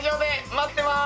待ってます！